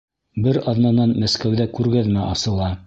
Бер аҙнанан Мәскәүҙә күргәҙмә асыла.